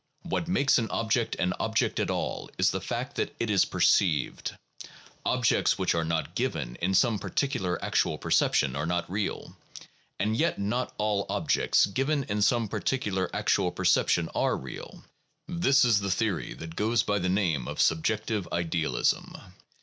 What makes an object an object at all is the fact that it is perceived. Objects which are not given in some particular actual perception are not real, and yet not all objects given in some particular actual perception are real. This is the theory that goes by the name of subjective idealism.